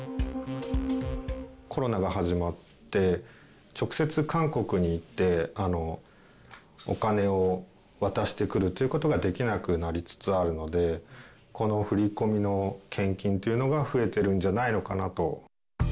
コロナが始まって、直接、韓国に行って、お金を渡してくるということができなくなりつつあるので、この振り込みの献金っていうのが増えてるんじゃないのかなと。